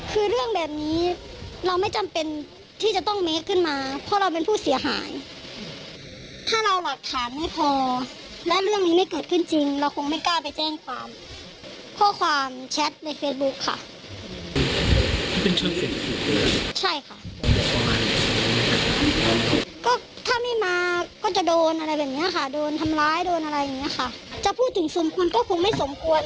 ถ้าพูดถึงสมควรก็คงไม่สมควร